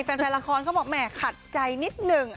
แฟนละครเขาบอกแหมขัดใจนิดหนึ่ง